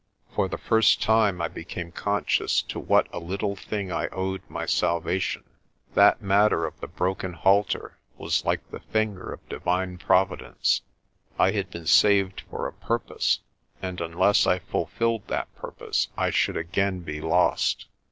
For the first time I became conscious to what a little thing I owed my salva tion. That matter of the broken halter was like the finger of Divine Providence. I had been saved for a purpose, and unless I fulfilled that purpose I should again be lost.